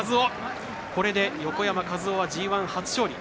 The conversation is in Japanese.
これで横山和生はＧＩ初勝利。